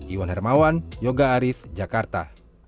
iwan hermawan yoga arief jakarta